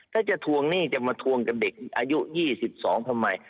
ถ้าจะทวงหนี้จะมาทวงกับเด็กอายุ๒๒ทำไม